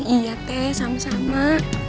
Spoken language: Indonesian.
iya teh sama sama